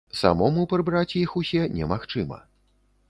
Самому прыбраць іх усе немагчыма.